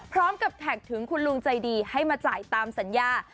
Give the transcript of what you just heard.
แท็กถึงคุณลุงใจดีให้มาจ่ายตามสัญญา